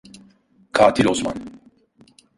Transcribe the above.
Katil Osman!